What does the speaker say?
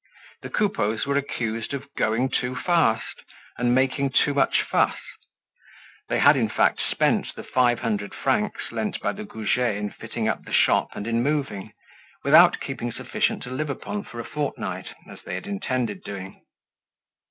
The Coupeaus were accused of going too fast, and making too much fuss. They had, in fact, spent the five hundred francs lent by the Goujets in fitting up the shop and in moving, without keeping sufficient to live upon for a fortnight, as they had intended doing.